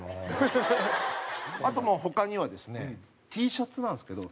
あと他にはですねＴシャツなんですけど。